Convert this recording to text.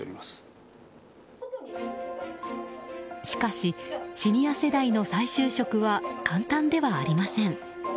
しかし、シニア世代の再就職は簡単ではありません。